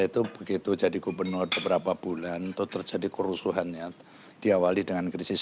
itu begitu jadi gubernur beberapa bulan itu terjadi kerusuhan ya diawali dengan krisis